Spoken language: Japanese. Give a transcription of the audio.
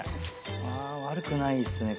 あ悪くないっすね